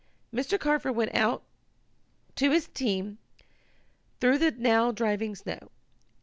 Mr. Carford went out to his team, through the now driving snow.